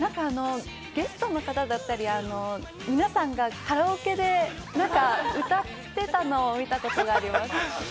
ゲストの方だったり皆さんがカラオケで歌ってたのを見たことがあります。